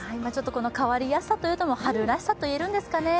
変わりやすさというのも春らしさと言えるんですかね。